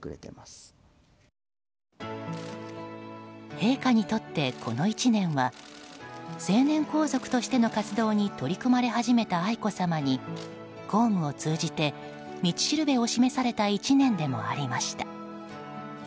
陛下にとってこの１年は成年皇族としての活動に取り組まれた愛子さまに公務を通じて道しるべを示された１年でもありました。